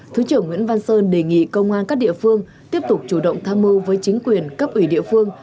thứ trưởng nguyễn văn sơn đề nghị công an các địa phương tiếp tục chủ động tham mưu với chính quyền cấp ủy địa phương